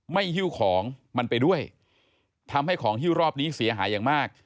หิ้วของมันไปด้วยทำให้ของฮิ้วรอบนี้เสียหายอย่างมาก